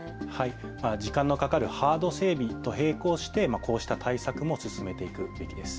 時間のかかるハード整備と並行してこうした対策も進めていきます。